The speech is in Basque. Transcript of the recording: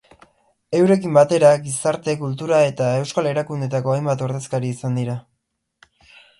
Eurekin batera gizarte, kultura eta euskal erakundetako hainbat ordezkari izan dira.